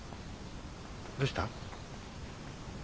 どうした？